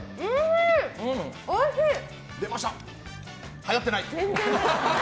はやってない！